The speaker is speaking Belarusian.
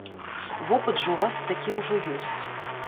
Вопыт жа ў вас такі ўжо ёсць.